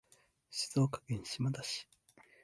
静岡県島田市